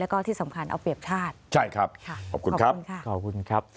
แล้วก็ที่สำคัญเอาเปรียบชาติขอบคุณครับ